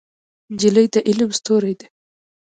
نجلۍ د علم ستورې ده.